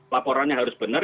laporannya harus benar